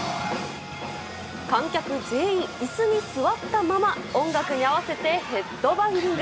観客全員、椅子に座ったまま音楽に合わせてヘッドバンキング。